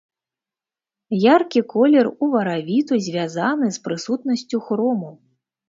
Яркі колер уваравіту звязаны з прысутнасцю хрому.